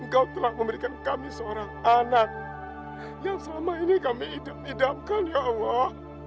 kamu telah memberikan kami seorang anak yang selama ini kami hidup hidapkan ya allah